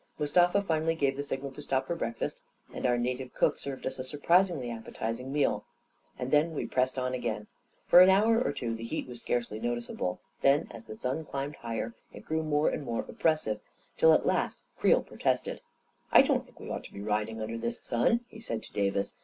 Mustafa finally gave the signal to stop for break fast, and our native cook served us a surprisingly ap petizing meal ; and then we pressed on again. For an hour or two, the heat was scarcely noticeable; then, as the sun climbed higher, it grew more and more oppressive, till at last Creel protested. " I don't think we ought to be riding under this sun," he said to Davis.